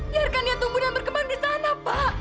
biarkan dia tumbuh dan berkembang di sana pak